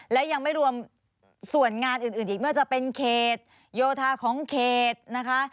และยังไม่รวมส่วนงานอื่นอีกไม่ว่าจะเป็นเขตโยธาของเขตนะคะ